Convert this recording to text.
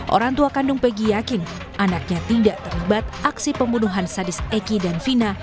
orang tua kandung peggy yakin anaknya tidak terlibat aksi pembunuhan sadis eki dan vina